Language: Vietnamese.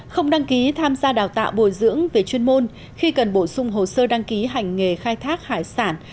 không đăng ký tham gia đào tạo bồi dưỡng về chuyên môn khi cần bổ sung hồ sơ đăng ký hành nghề khai thác hải sản